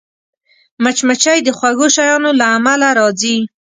مچمچۍ د خوږو شیانو له امله راځي